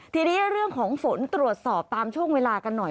ทีนี้เรื่องของฝนตรวจสอบตามช่วงเวลากันหน่อย